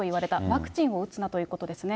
ワクチンを打つなということですね。